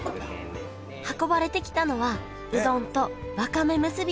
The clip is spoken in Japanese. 運ばれてきたのはうどんとわかめむすび！